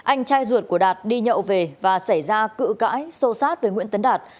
anh trai ruột của đạt đi nhậu về và xảy ra cự cãi sâu sát với nguyễn tấn đạt